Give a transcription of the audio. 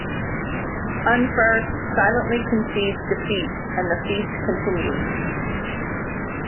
Unferth silently concedes defeat and the feast continues.